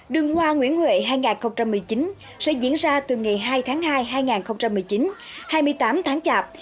đường hoa nguyễn huệ hai nghìn một mươi chín sẽ diễn ra từ ngày hai tháng hai hai nghìn một mươi chín hai mươi tám tháng chạp